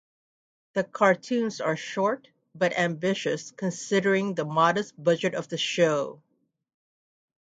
The cartoons are short but ambitious considering the modest budget of the show.